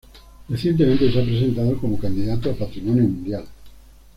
recientemente se ha presentado como candidato a Patrimonio Mundial